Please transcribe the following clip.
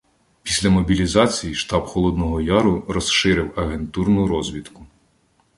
Після мобілізації штаб Холодного Яру розширив агентурну розвідку.